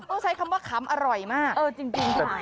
ต้องใช้คำว่าขำอร่อยมากเออจริงจริง